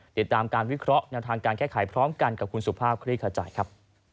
เดี๋ยวตามการวิเคราะห์ทางการแก้ไขกับคุณสุภาพคริขาใจครับ